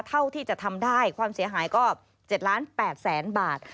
เท่าที่จะทำได้ความเสียหายก็๗ล้าน๘แสนบาท